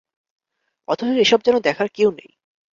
অথচ এসব যেন দেখার কেউ নেই।